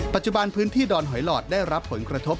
ปัจจุบันพื้นที่ดอนหอยหลอดได้รับผลกระทบ